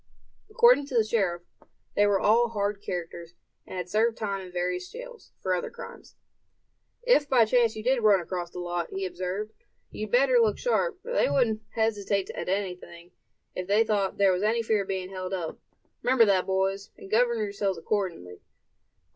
According to the sheriff, they were all hard characters, and had served time in various jails, for other crimes. "If by chance you did run across the lot," he observed; "you'd better look sharp, for they wouldn't hesitate at anything, if they thought there was any fear of being held up. Remember that, boys, and govern yourselves accordingly."